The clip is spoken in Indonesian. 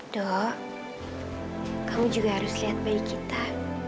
dok kamu juga harus lihat bayi kita